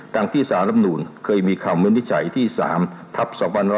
การที่สารำนูลเคยมีคำวินิจฉัยที่๓ทัพ๒๕๖๒